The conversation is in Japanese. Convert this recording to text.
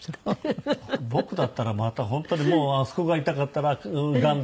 僕だったらまた本当にあそこが痛かったらがんだ